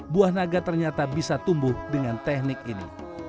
buah naga ternyata bisa tumbuh dengan teknik ini